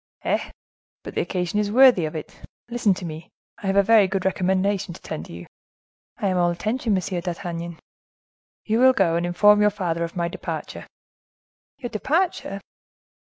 "Eh! but the occasion is worthy of it. Listen to me. I have a very good recommendation to tender you." "I am all attention, Monsieur d'Artagnan." "You will go and inform your father of my departure." "Your departure?"